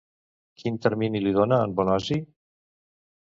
Quin termini li dona en Bonosi?